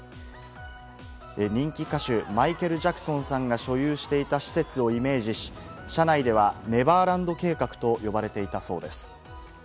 人気歌手、マイケル・ジャクソンさんが所有していた施設をイメージし、社内ではネバーランド計画と呼ばれていたそうです。